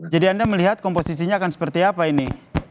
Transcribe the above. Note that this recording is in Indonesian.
jadi anda melihat komposisinya akan seperti apa ini